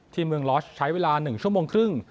เมืองลอชใช้เวลา๑ชั่วโมงครึ่ง